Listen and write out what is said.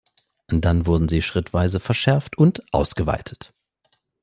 Dann wurden sie schrittweise verschärft und ausgeweitet.